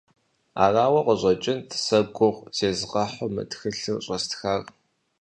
Арауэ къыщӏэкӏынт сэ гугъу зезгъэхьу мы тхылъыр щӏэстхар.